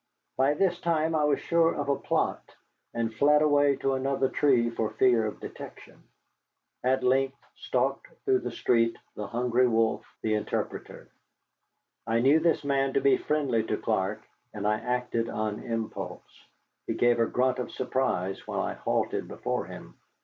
By this time I was sure of a plot, and fled away to another tree for fear of detection. At length stalked through the street the Hungry Wolf, the interpreter. I knew this man to be friendly to Clark, and I acted on impulse. He gave a grunt of surprise when I halted before him.